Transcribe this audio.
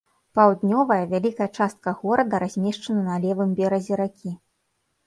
Паўднёвая, вялікая частка горада размешчана на левым беразе ракі.